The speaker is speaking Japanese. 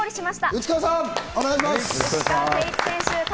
内川さん、お願いします。